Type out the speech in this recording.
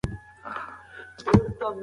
زړې تګلارې بیا کارېږي.